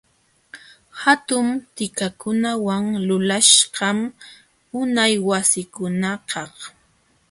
Hatun tikakunawan lulaśhqam unay wasikunakaq.